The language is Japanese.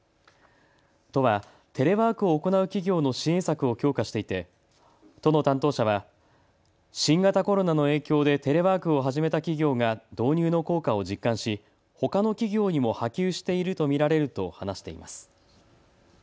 都はテレワークを行う企業の支援策を強化していて都の担当者は新型コロナの影響でテレワークを始めた企業が導入の効果を実感しほかの企業にも波及していると見られると話しています。